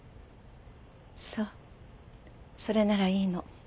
そうそれならいいの。